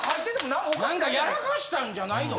何かやらかしたんじゃないの？